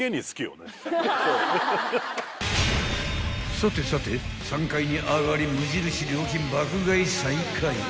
［さてさて３階に上がり無印良品爆買い再開］